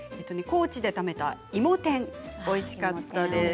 高知で食べた芋天おいしかったです。